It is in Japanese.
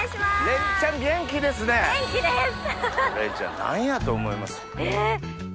れにちゃん何やと思います？